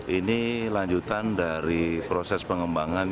ini lanjutan dari proses pengembangan